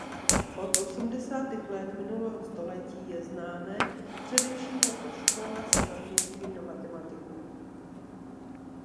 Od osmdesátých let minulého století je známé především jako škola se zaměřením na matematiku.